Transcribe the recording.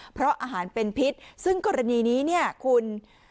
เพราะอาหารเป็นพิษซึ่งกรณีนี้เนี่ยคุณ